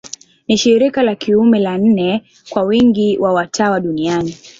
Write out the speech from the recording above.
Ni shirika la kiume la nne kwa wingi wa watawa duniani.